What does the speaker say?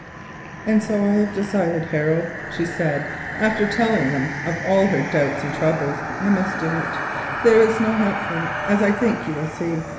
"And so I have decided, Harold," she said after telling him of all her doubts and troubles. "I must do it, there is no help for it, as I think you will see.